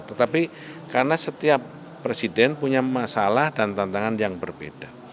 tetapi karena setiap presiden punya masalah dan tantangan yang berbeda